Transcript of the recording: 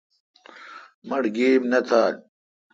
مٹھ گیب نہ تھال۔